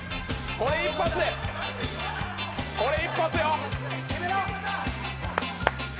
これ一発よ。